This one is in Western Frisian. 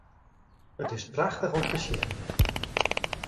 It is prachtich om te sjen.